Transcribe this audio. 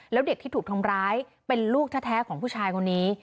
แล้วเด็กที่ถูกทำร้ายเป็นลูกแท้ของผู้ชายคนนี้